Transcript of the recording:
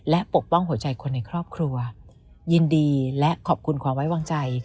และปกป้องหัวใจคนในครอบครัวยินดีและขอบคุณความไว้วางใจ